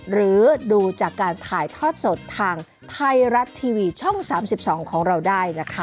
หรือดูจากการถ่ายทอดสดทางไทยรัฐทีวีช่อง๓๒ของเราได้นะคะ